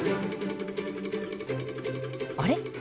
あれ？